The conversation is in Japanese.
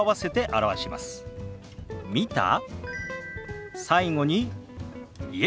「見た？」。